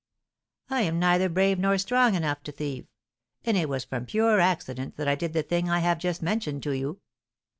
I am neither brave nor strong enough to thieve, and it was from pure accident that I did the thing I have just mentioned to you."